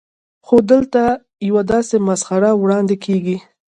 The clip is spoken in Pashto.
خو دلته یوه داسې مسخره وړاندې کېږي.